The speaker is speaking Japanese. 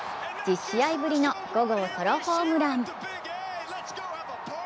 １０試合ぶりの５号ソロホームラン。